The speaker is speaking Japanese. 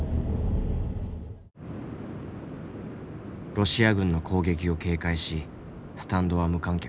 ロシア軍の攻撃を警戒しスタンドは無観客。